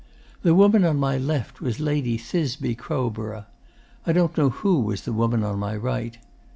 'The woman on my left was Lady Thisbe Crowborough. I don't know who was the woman on my right.